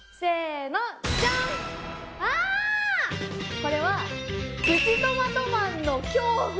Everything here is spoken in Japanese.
これはプチトマトマンの恐怖。